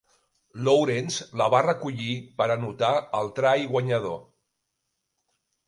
Lourens la va recollir per anotar el try guanyador.